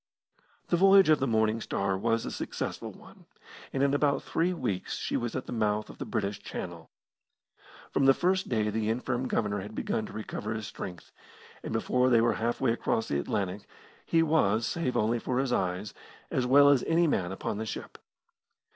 The voyage of the Morning Star was a successful one, and in about three weeks she was at the mouth of the British Channel. From the first day the infirm Governor had begun to recover his strength, and before they were halfway across the Atlantic, he was, save only for his eyes, as well as any man upon the ship.